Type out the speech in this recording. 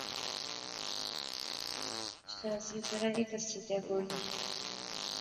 شازیہ ذرا ہیک ہسی تے بولی